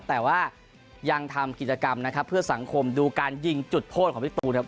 แต่ว่ายังทำกิจกรรมนะครับเพื่อสังคมดูการยิงจุดโทษของพี่ตูนครับ